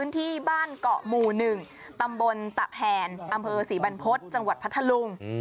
ที่บ้านเกาะหมู่๑ตำบลตะแผนอำเภอศรีบรรพฤษจังหวัดพัทธลุง